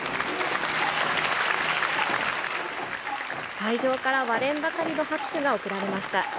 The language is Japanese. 会場から割れんばかりの拍手が送られました。